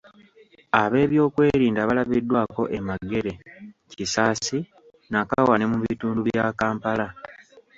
Ab'ebyokwerinda balabiddwako e Magere, Kisaasi, Nakawa ne mu bitundu bya Kampala